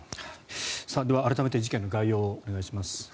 では、改めて事件の概要をお願いします。